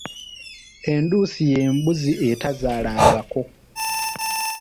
Enduusi y’embuzzi atazaalangako.